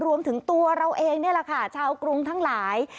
รวมถึงตัวเราเองนี่แหละค่ะชาวกรุงทั้งหลาย